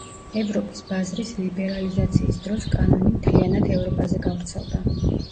ევროპის ბაზრის ლიბერალიზაციის დროს, კანონი მთლიანად ევროპაზე გავრცელდა.